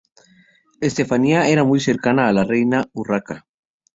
Estefanía era muy cercana a la reina Urraca.